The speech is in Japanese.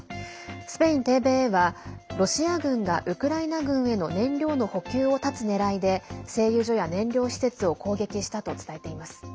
スペインＴＶＥはロシア軍がウクライナ軍への燃料の補給を断つねらいで製油所や燃料施設を攻撃したと伝えています。